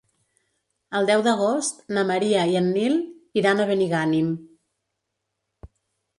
El deu d'agost na Maria i en Nil iran a Benigànim.